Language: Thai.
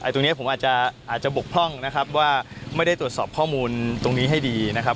ตรงนี้ผมอาจจะบกพร่องนะครับว่าไม่ได้ตรวจสอบข้อมูลตรงนี้ให้ดีนะครับ